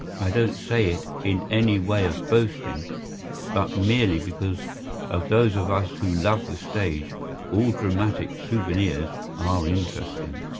I don't say it in any way of boasting, but merely because to those of us who love the stage all dramatic souvenirs are interesting.